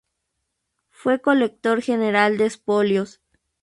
Fue colector general de expolios.